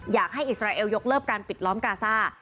อิสราเอลยกเลิกการปิดล้อมกาซ่า